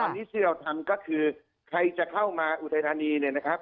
ความที่คุณทำก็คือใครจะเข้ามาอุทัยธานี